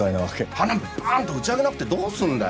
花火バーンと打ち上げなくてどうすんだよ！